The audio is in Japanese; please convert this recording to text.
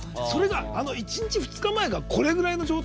１日２日前がこれぐらいの状態。